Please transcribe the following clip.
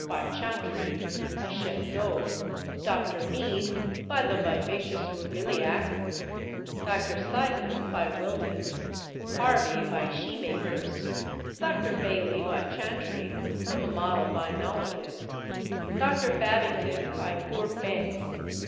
by Chantrey (a chef d'œuvre); Dr. Mead, by the vivacious Roubilliac; Dr. Sydenham, by Wilton; Harvey, by Scheemakers; Dr. Baillie, by Chantrey, from a model by Nollekens; Dr. Babington, by poor Behnes.